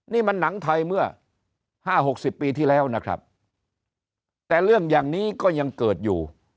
นี่มันหนังไทยเมื่อ๕๖๐ปีที่แล้วนะครับแต่เรื่องอย่างนี้ก็ยังเกิดอยู่